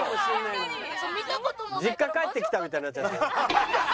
実家帰ってきたみたいになっちゃったよ。